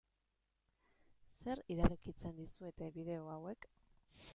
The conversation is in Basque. Zer iradokitzen dizuete bideo hauek?